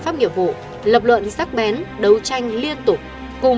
mà phải để tâm tâm